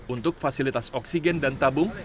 untuk fasilitas oksigen dan tabung